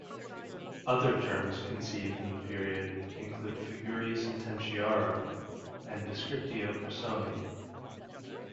Other terms conceived in the period include "figurae sententiarum" and "descriptio personae".